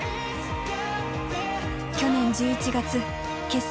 去年１１月結成